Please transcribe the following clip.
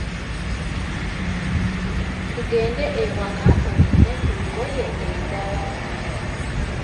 Tugende ewaka ofune ku ngoye endala.